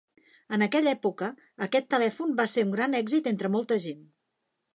En aquella època, aquest telèfon va ser un gran èxit entre molta gent.